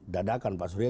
dadakan pak surya